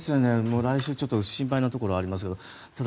来週、ちょっと心配なところがありますけどただ、